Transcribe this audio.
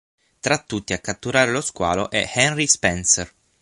Tra tutti a catturare lo squalo è Henry Spencer.